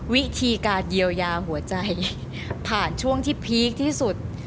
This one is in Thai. วิธีการเยียวยาหัวใจผ่านช่วงที่พีคที่สุด